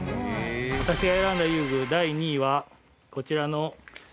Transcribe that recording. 私が選んだ遊具第２位はこちらのクレーン車です。